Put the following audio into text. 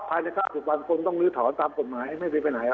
ภายในข้าวสุดวันคนต้องลื้อถอนตามกฎหมายไม่ได้ไปไหนหรอก